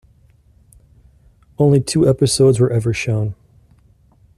Only two episodes were ever shown.